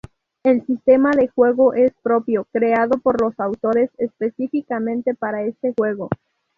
El sistema de juego es propio, creado por los autores específicamente para este juego.